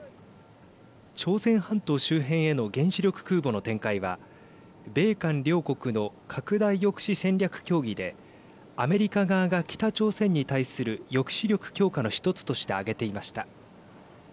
朝鮮半島周辺への原子力空母の展開は米韓両国の拡大抑止戦略協議でアメリカ側が北朝鮮に対する抑止力強化の１つとして挙げていました。